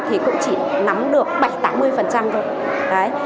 thì cũng chỉ nắm được bảy mươi tám mươi thôi